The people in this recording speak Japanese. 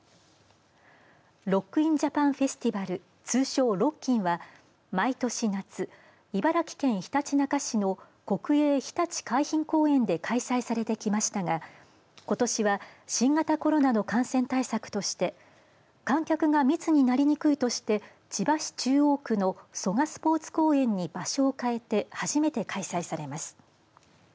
ロック・イン・ジャパン・フェスティバル通称ロッキンは毎年、夏茨城県ひたちなか市の国営ひたち海浜公園で開催されてきましたがことしは新型コロナの感染対策として観客が密になりにくいとして千葉市中央区の蘇我スポーツ公園に場所を変えて初めて開催されます。